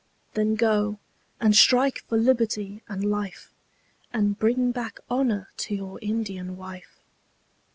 Then go and strike for liberty and life, And bring back honour to your Indian wife.